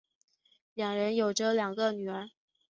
两人有着两个女儿。